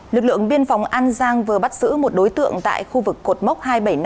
lực lượng biên phòng an giang vừa bắt giữ một đối tượng tại khu vực cột mốc hai trăm bảy mươi năm một mươi hai